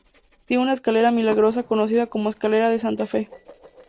Tiene una escalera milagrosa conocida como escalera de Santa Fe.